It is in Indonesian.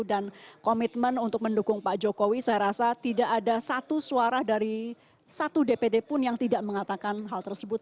dan komitmen untuk mendukung pak jokowi saya rasa tidak ada satu suara dari satu dpd pun yang tidak mengatakan hal tersebut